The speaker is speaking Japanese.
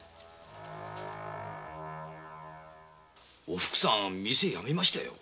おふくさん店をやめましたよ。